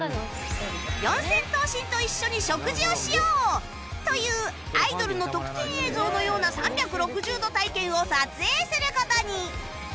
四千頭身と一緒に食事をしよう！というアイドルの特典映像のような３６０度体験を撮影する事に